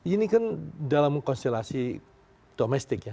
ini kan dalam konstelasi domestik ya